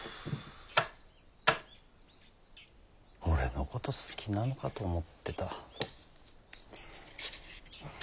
俺のこと好きなのかと思ってた。